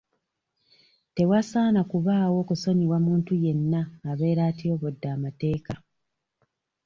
Tewasaana kubaawo kusonyiwa muntu yenna abeera atyobodde amateeka.